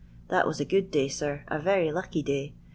That was a good day, sir ; a very lucky day.